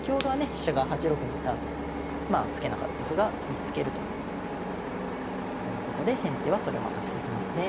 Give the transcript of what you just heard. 飛車が８六に居たんで突けなかった歩が次突けるということで先手はそれをまた防ぎますね。